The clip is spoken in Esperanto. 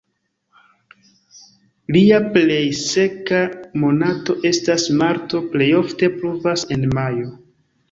Lia plej seka monato estas marto, plej ofte pluvas en majo.